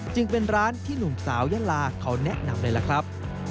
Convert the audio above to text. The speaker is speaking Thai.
จึงเป็นร้านที่หนุ่มสาวยาลาเขาแนะนำเลยล่ะครับ